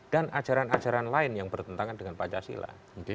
dan ajaran ajaran lain yang bertentangan dengan pancasila